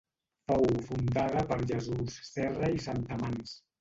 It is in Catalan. Fou fundada per Jesús Serra i Santamans.